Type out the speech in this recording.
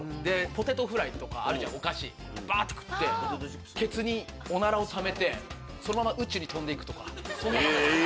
ポテトフライとかお菓子バって食ってケツにオナラをためてそのまま宇宙に飛んで行くとかそんな漫画です。